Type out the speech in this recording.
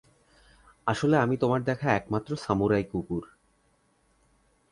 আসলে আমি তোমার দেখা একমাত্র সামুরাই কুকুর।